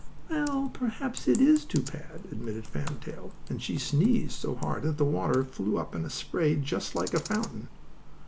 "Well, perhaps it is too bad," admitted Fan Tail, and she sneezed so hard that the water flew up in a spray, just like a fountain.